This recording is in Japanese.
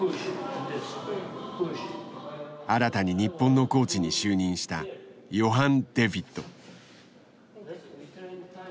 新たに日本のコーチに就任したヨハン・デ・ヴィット。